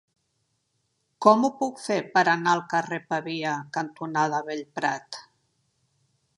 Com ho puc fer per anar al carrer Pavia cantonada Bellprat?